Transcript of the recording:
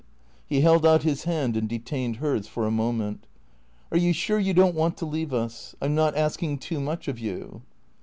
He held out his hand and detained hers for a moment. " Are you sure you don't want to leave us ? I 'm not asking too much of you